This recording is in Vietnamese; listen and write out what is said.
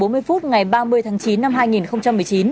tám h bốn mươi phút ngày ba mươi tháng chín năm hai nghìn một mươi chín